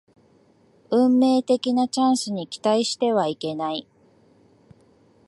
運命的なチャンスに期待してはいけない